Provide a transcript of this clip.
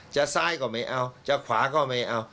ซ้ายก็ไม่เอาจะขวาก็ไม่เอา